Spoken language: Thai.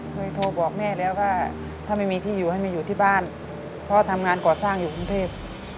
เคยโทรบอกแม่แล้วว่าถ้าไม่มีที่อยู่ให้มาอยู่ที่บ้านพ่อทำงานก่อสร้างอยู่กรุงเทพ